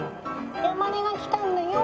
山根がきたんだよ！」